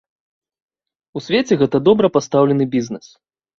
У свеце гэта добра пастаўлены бізнес.